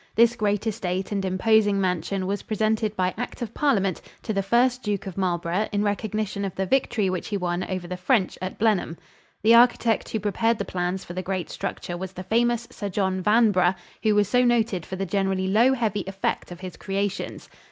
This great estate and imposing mansion was presented by Act of Parliament to the first Duke of Marlborough in recognition of the victory which he won over the French at Blenheim. The architect who prepared the plans for the great structure was the famous Sir John Vanbrugh, who was so noted for the generally low heavy effect of his creations.